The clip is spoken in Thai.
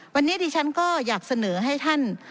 วันนี้ดิฉันก็อยากเสนอให้ท่าน